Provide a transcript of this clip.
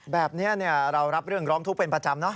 แบบนี้เรารับเรื่องร้องทุกข์เป็นประจำเนอ